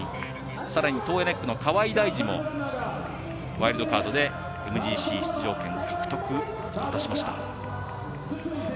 さらにトーエネックの河合代二もワイルドカードでＭＧＣ出場権を獲得しました。